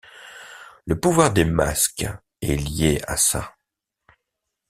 Le pouvoir des masques est lié à ça.